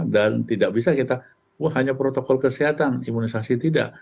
dan tidak bisa kita wah hanya protokol kesehatan imunisasi tidak